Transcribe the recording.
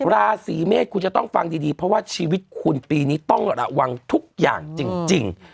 ราศีเมษคุณจะต้องฟังดีเพราะว่าชีวิตคุณปีนี้ต้องระวังทุกอย่างจริง